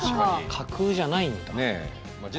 架空じゃないんだ。